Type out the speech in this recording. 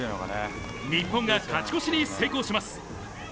日本が勝ち越しに成功します。